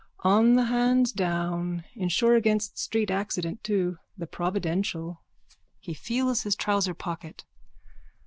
On the hands down. Insure against street accident too. The Providential. _(He feels his trouser pocket.)